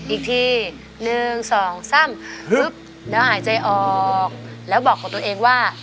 อีกทีหนึ่งสองสามฮึบแล้วหายใจออกแล้วบอกของตัวเองว่า